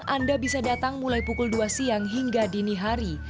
anda bisa datang mulai pukul dua siang hingga dini hari